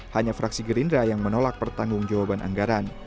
hanya fraksi gerindra yang menolak pertanggung jawaban anggaran